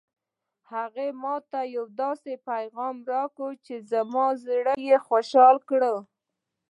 هغې ما ته یو داسې پېغام راکړ چې زما زړه یې خوشحاله کړ